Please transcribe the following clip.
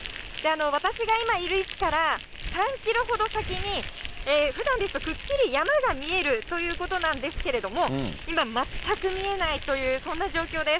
私が今いる位置から、３キロほど先に、ふだんですとくっきり山が見えるということなんですけれども、今、全く見えないという、そんな状況です。